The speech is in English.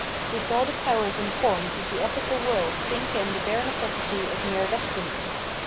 We saw the powers and forms of the ethical world sink in the bare necessity of mere Destiny.